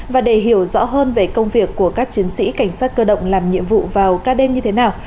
và để hiểu rõ hơn về công việc của các chiến sĩ cảnh sát cơ động làm nhiệm vụ vào ca đêm như thế nào